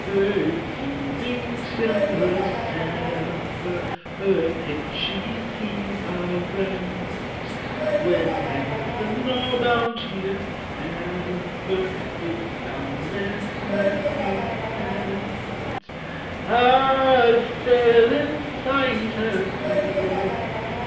Her yielding timbers sever, Her pitchy seams are rent, When Heaven, all bounteous ever, Its boundless mercy sent, — A sail in sight appears!